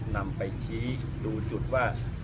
นำไปชี้ดูจุดว่า